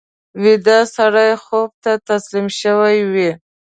ویده سړی خوب ته تسلیم شوی وي